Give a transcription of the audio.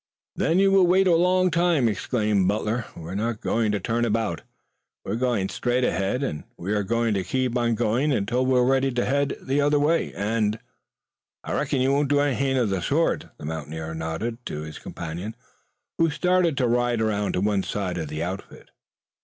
"Then you will wait a long time," exclaimed Butler. "We are not going to turn about. We are going straight ahead, and we are going to keep on going until we are ready to head the other way, and " "I reckon you won't do nothing of the sort." The mountaineer nodded to his companion, who started to ride around to one side of the outfit.